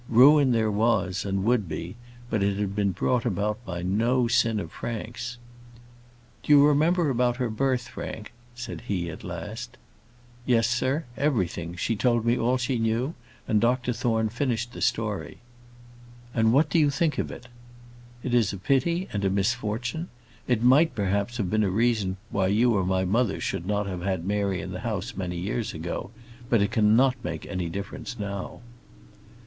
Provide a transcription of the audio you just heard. Ruin there was, and would be, but it had been brought about by no sin of Frank's. "Do you remember about her birth, Frank?" he said, at last. "Yes, sir; everything. She told me all she knew; and Dr Thorne finished the story." "And what do you think of it?" "It is a pity, and a misfortune. It might, perhaps, have been a reason why you or my mother should not have had Mary in the house many years ago; but it cannot make any difference now."